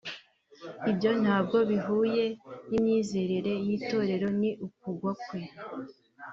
ibyo ntabwo bihuye n’imyizerere y’itorero ni ukugwa kwe